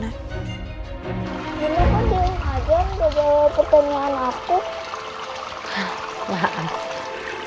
kenapa diungkadam gara gara pertemuan aku